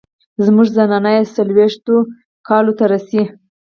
زمونږ زنانه چې څلوېښتو کالو ته رسي